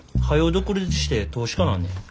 独立して投資家なんねん。